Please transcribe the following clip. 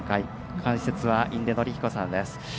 解説は印出順彦さんです。